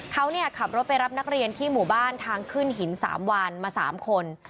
เขาขับรถไปรับนักเรียนที่หมู่บ้านทางขึ้นหิน๓วันมา๓คน